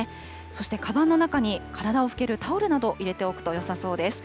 そしてかばんの中に体をふけるタオルなど入れておくとよさそうです。